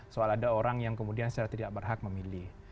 soal ada orang yang kemudian secara tidak berhak memilih